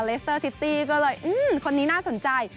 สเตอร์ซิตี้ก็เลยคนนี้น่าสนใจ